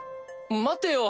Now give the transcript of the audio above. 待ってよ。